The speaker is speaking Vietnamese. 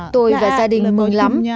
tôi và gia đình mừng lắm